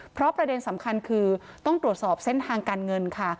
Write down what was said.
เพราะประเด็นสำคัญคือต้องตรวจสอบเส้นทางการเงินค่ะ